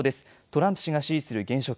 トランプ氏が支持する現職。